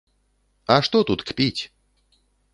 А што тут кпіць?